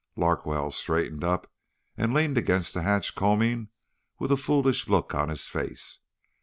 Larkwell straightened up and leaned against the hatch combing with a foolish look on his face.